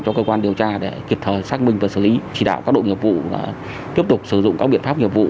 cho cơ quan điều tra để kịp thời xác minh và xử lý chỉ đạo các đội nghiệp vụ tiếp tục sử dụng các biện pháp nghiệp vụ